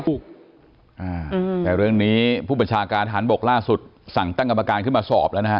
แต่เรื่องนี้ผู้บัญชาการฐานบกล่าสุดสั่งตั้งกรรมการขึ้นมาสอบแล้วนะฮะ